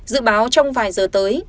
dự báo trong vài giờ tới